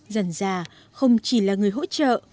dần già không chỉ là người hỗ trợ